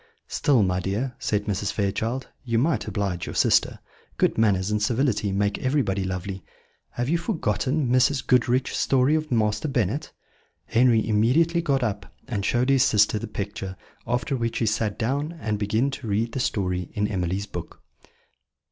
"Still, my dear," said Mrs. Fairchild, "you might oblige your sister. Good manners and civility make everybody lovely. Have you forgotten Mrs. Goodriche's story of Master Bennet?" Henry immediately got up, and showed his sister the picture, after which he sat down again and began to read the story in Emily's book.